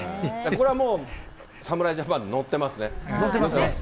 これはもう、侍ジャパン乗ってますね。